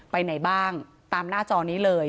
ไปไหนบ้างตามหน้าจอนี้เลย